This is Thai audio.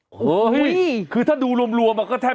โอ้โหเฮ้ยคือถ้าดูรวมอะก็แทบถึง